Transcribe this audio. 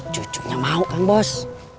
cucuknya mau kang bos